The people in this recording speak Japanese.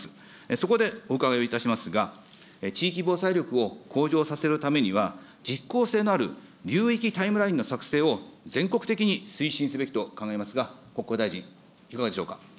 そこでお伺いをいたしますが、地域防災力を向上させるためには、実効性のある流域タイムラインの作成を全国的に推進すべきと考えますが、国交大臣、いかがでしょうか。